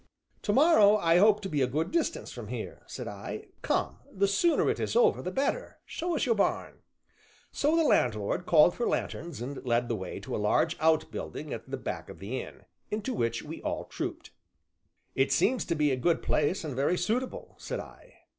"To morrow I hope to be a good distance from here," said I; "come, the sooner it is over the better, show us your barn." So the landlord called for lanthorns and led the way to a large outbuilding at the back of the inn, into which we all trooped. "It seems to be a good place and very suitable," said I.